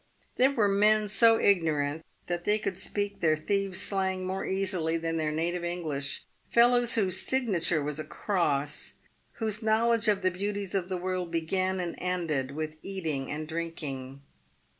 K^ There were men so ignorant, that they could speak their thieves' slang more easily than their native English, fellows whose signa ture was a cross, whose knowledge of the beauties of the world began and ended with eating and drinking.